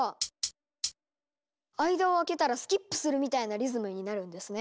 間を空けたらスキップするみたいなリズムになるんですね。